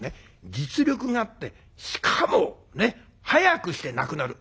実力があってしかも早くして亡くなる。